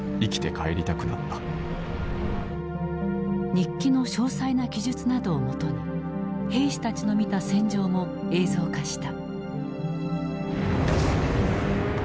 日記の詳細な記述などをもとに兵士たちの見た戦場も映像化した。